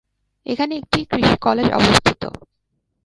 এখানে একটি কৃষি কলেজ অবস্থিত।